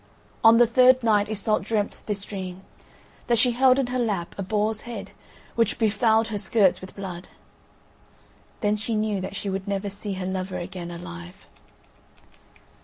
On the third night Iseult dreamt this dream: that she held in her lap a boar's head which befouled her skirts with blood; then she knew that she would never see her lover again alive.